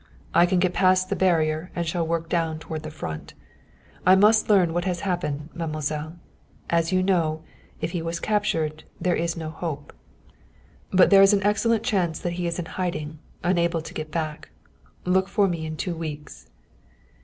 I can get past the barrier and shall work down toward the Front. I must learn what has happened, mademoiselle. As you know, if he was captured, there is no hope. But there is an excellent chance that he is in hiding, unable to get back. Look for me in two weeks."